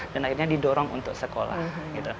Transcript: dan akhirnya didorong untuk sekolah